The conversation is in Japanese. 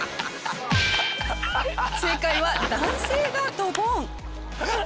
正解は男性がドボン！